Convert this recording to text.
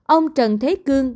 ông trần thế cương